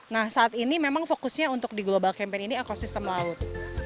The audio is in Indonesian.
nah saat ini memang fokusnya untuk di global campaign ini ekosistem laut